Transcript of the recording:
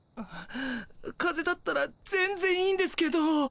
かぜだったら全ぜんいいんですけど。